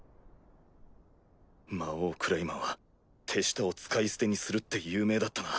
魔王クレイマンは手下を使い捨てにするって有名だったな。